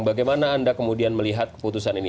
bagaimana anda kemudian melihat keputusan ini